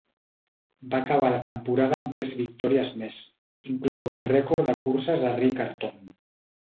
Va acabar la temporada amb tres victòries més, inclòs un rècord de curses a Riccarton.